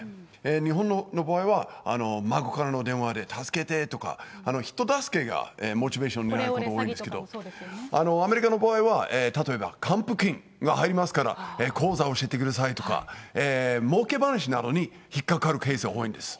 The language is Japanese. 日本の場合は孫からの電話で助けてとか、人助けがモチベーションオレオレ詐欺とかもそうですアメリカの場合は、例えば還付金が入りますから、口座を教えてくださいとか、もうけ話などに引っ掛かるケースが多いんです。